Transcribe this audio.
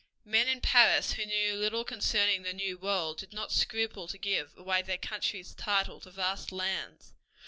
Men in Paris who knew little concerning the new world did not scruple to give away their country's title to vast lands.